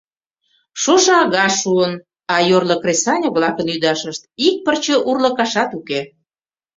Шошо ага шуын, а йорло кресаньык-влакын ӱдашышт ик пырче урлыкашат уке.